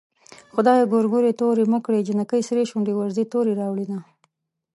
خدايه ګورګورې تورې مه کړې جنکۍ سرې شونډې ورځي تورې راوړينه